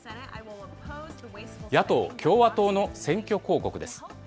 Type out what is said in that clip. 野党・共和党の選挙広告です。